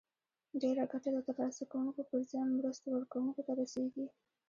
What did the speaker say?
ډیره ګټه د تر لاسه کوونکو پر ځای مرستو ورکوونکو ته رسیږي.